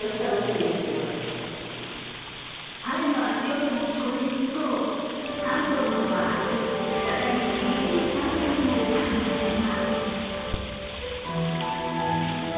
春の足音が聞こえる一方関東などは明日、再び厳しい寒さになる可能性が。